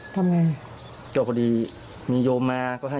ถ่ายคลิปเอาไว้